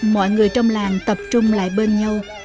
mọi người trong làng tập trung lại bên nhau